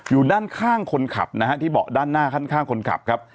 อยู่ด้านข้างคนขับนะฮะที่เบาะด้านหน้าข้างคนขับครับ